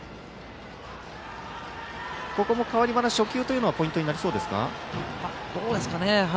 ここも代わり端、初球というのはポイントになりそうですか。